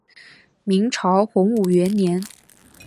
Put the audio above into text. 明朝洪武元年。